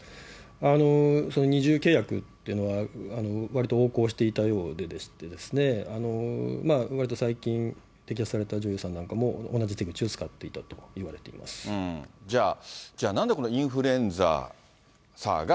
二重契約っていうのは、わりと横行していたようで、わりと最近摘発された女優さんなんかも、同じ手口を使っていたとじゃあ、なんでこのインフルエンサーが、